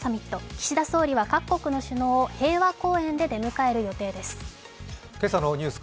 岸田総理は各国の首脳を平和公園で出迎える予定です。